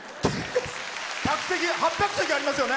客席８００席ありますよね。